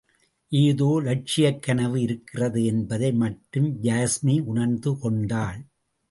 ஏதோ இலட்சியக் கனவு இருக்கிறது என்பதை மட்டும் யாஸ்மி உணர்ந்து கொண்டாள்.